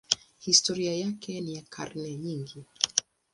Historia yake ni ya karne nyingi.